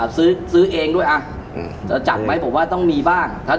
ซื้อเองด้วยจะจัดไหมผมว่าต้องมีบ้าง